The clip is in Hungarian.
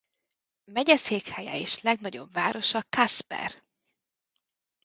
Megyeszékhelye és legnagyobb városa Casper.